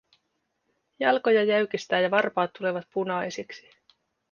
Jalkoja jäykistää ja varpaat tulevat punaisiksi.